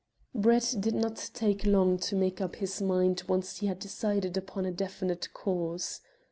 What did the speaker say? Brett did not take long to make up his mind once he had decided upon a definite course.